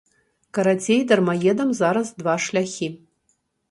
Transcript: Карацей, дармаедам зараз два шляхі.